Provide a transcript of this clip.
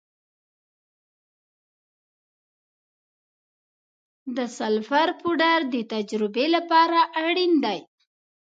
د سلفر پوډر د تجربې لپاره اړین دی.